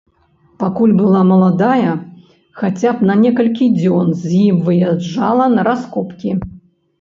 Пакуль была маладая, хаця б на некалькі дзён з ім выязджала на раскопкі.